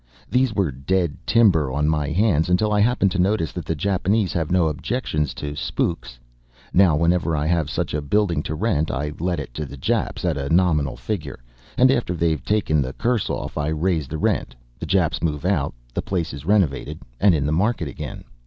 These were dead timber on my hands until I happened to notice that the Japanese have no objections to spooks. Now, whenever I have such a building to rent, I let it to Japs at a nominal figure, and after they've taken the curse off, I raise the rent, the Japs move out, the place is renovated, and in the market again."